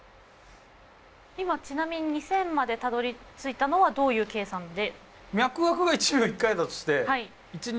今ちなみに２０００までたどりついたのはどういう計算で？